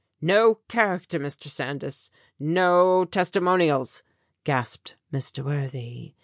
"No character, Mr. Sandys. No testimonials," gasped Mr. Worthy.